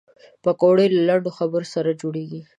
پکورې له لنډو خبرو سره جوړېږي